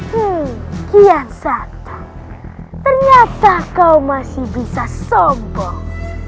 hmm kian sakta ternyata kau masih bisa sombong